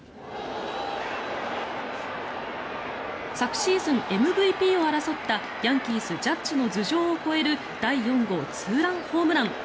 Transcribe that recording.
昨シーズン、ＭＶＰを争ったヤンキース、ジャッジの頭上を越える第４号ツーランホームラン。